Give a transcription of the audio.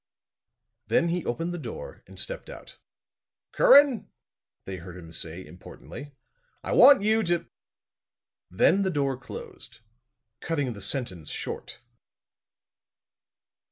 Then he opened the door and stepped out. "Curran," they heard him say, importantly. "I want you to " then the door closed, cutting the sentence short.